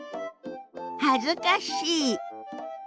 恥ずかしい。